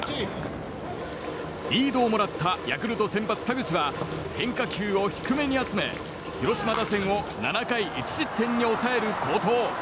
リードをもらったヤクルト先発、田口は変化球を低めに集め広島打線を７回１失点に抑える好投。